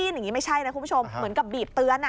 อย่างนี้ไม่ใช่นะคุณผู้ชมเหมือนกับบีบเตือน